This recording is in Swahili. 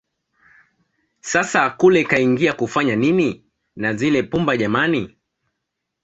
Sasa kule kaingia kufanya nini na zile pumba jamani